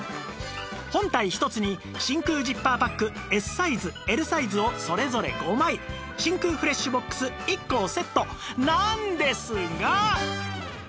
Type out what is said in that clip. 本体１つに真空ジッパーバッグ Ｓ サイズ Ｌ サイズをそれぞれ５枚真空フレッシュボックス１個をセットなんですが！